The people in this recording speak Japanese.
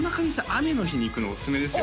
雨の日に行くのおすすめですよ